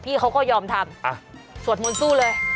พี่เขาก็ยอมทำสวดมนต์สู้เลย